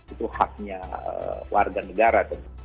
itu haknya warga negara tentu saja ya